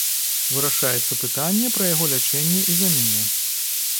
Вырашаецца пытанне пра яго лячэнне і замене.